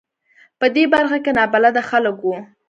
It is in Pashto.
په دې برخه کې نابلده خلک و.